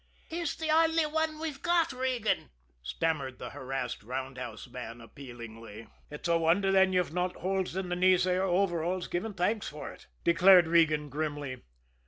"He's the only wan we've got, Regan," stammered the harassed roundhouse man appealingly. "It's a wonder, then, you've not holes in the knees of your overalls giving thanks for it," declared Regan grimly.